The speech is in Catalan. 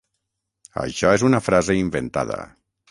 Això és una frase inventada.